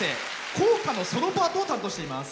校歌のソロパートを担当しています。